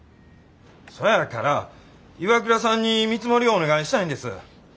そやからＩＷＡＫＵＲＡさんに見積もりをお願いしたいんです。